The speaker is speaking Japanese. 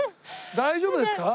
大丈夫ですか？